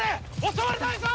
襲われないぞ！